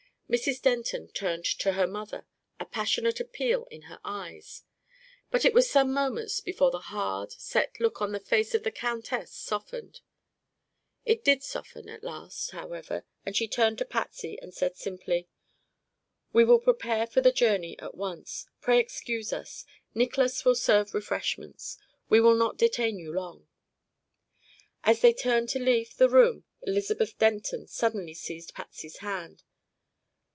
Mrs. Denton turned to her mother, a passionate appeal in her eyes. But it was some moments before the hard, set look on the face of the countess softened. It did soften at last, however, and she turned to Patsy and said simply: "We will prepare for the journey at once. Pray excuse us; Niklas will serve refreshments. We will not detain you long." As they turned to leave the room Elizabeth Denton suddenly seized Patsy's hand.